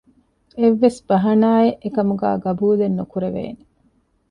އެއްވެސް ބަހަނާއެއް އެކަމުގައި ޤަބޫލެއް ނުކުރެވޭނެ